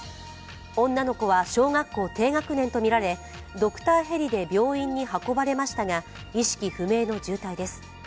女の子は小学校低学年とみられドクターヘリで病院に運ばれましたが意識不明の重体です。